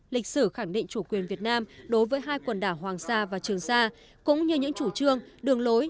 lịch sử khẳng định chủ quyền việt nam đối với hai quần đảo hoàng sa và trường sa cũng như những chủ trương đường lối